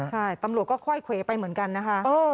ใช่ตำรวจก็ค่อยเขวไปเหมือนกันนะคะ